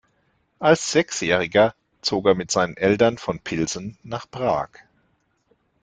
Als Sechsjähriger zog er mit seinen Eltern von Pilsen nach Prag.